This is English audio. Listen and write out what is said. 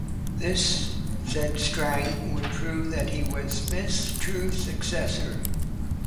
This, said Strang, would prove that he was Smith's true successor.